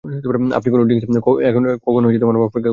আপনি কোনো ড্রিংক্স এখনও অফার করেননি আমাকে।